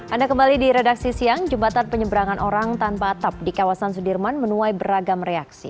anda kembali di redaksi siang jembatan penyeberangan orang tanpa atap di kawasan sudirman menuai beragam reaksi